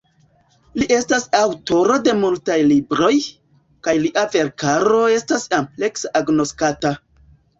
Li estas aŭtoro de multaj libroj, kaj lia verkaro estas ampleksa agnoskata.